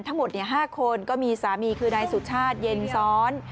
ทั้งหมด๕คนก็มีสามีคือนายสุชาติเย็นซ้อน